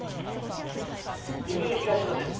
壬生東署です。